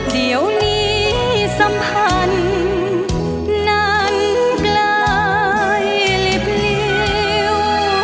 เดี๋ยวนี้สัมพันธ์นั้นปลายลิบลิว